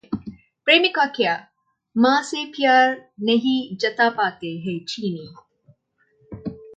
प्रेमिका क्या, मां से प्यार नहीं जता पाते हैं चीनी